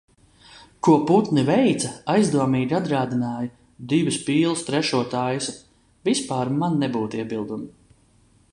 Ko putni veica aizdomīgi atgādināja "divas pīles trešo taisa". Vispār man nebūtu iebildumu.